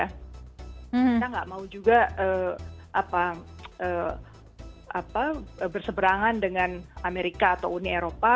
kita nggak mau juga berseberangan dengan amerika atau uni eropa